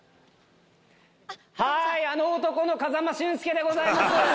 はい「あの男」の風間俊介でございます。